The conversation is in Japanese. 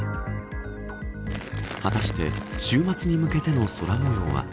果たして週末に向けての空模様は。